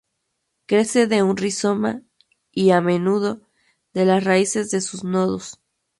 Crece de un rizoma y, a menudo, de las raíces de sus nodos.